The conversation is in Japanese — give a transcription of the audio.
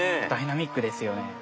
ダイナミックですよね。